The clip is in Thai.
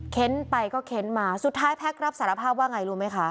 ไปก็เค้นมาสุดท้ายแพ็ครับสารภาพว่าไงรู้ไหมคะ